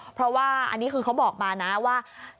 เพราะว่าอันนี้คือเขาบอกมานะว่า